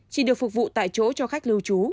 chỉ được phục vụ tại chỗ cho khách lưu trú